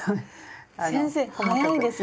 先生速いですね。